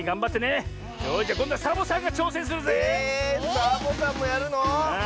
サボさんもやるの⁉ああ。